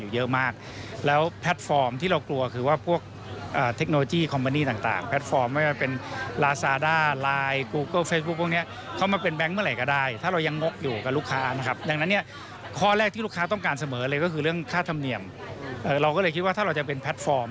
เราก็เลยคิดว่าถ้าเราจะเป็นแพลตฟอร์ม